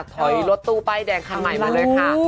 ถอยรถตู้ป้ายแดงคันใหม่มาเลยค่ะ